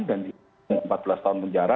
di empat belas tahun penjara